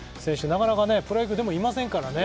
なかなかプロでいませんからね